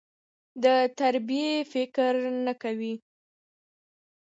د تربيې فکر نه کوي.